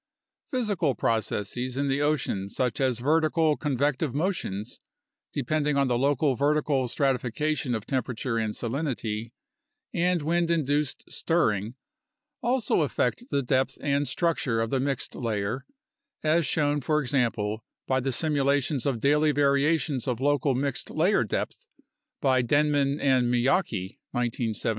Physical processes in the ocean such as vertical convective motions (depending on the local vertical stratification of temperature and salinity) and wind induced stirring also affect the depth and struc ture of the mixed layer, as shown, for example, by the simulations of daily variations of local mixed layer depth by Denman and Miyake (1973).